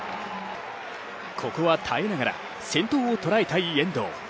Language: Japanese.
ここは耐えながら先頭を捉えたい遠藤。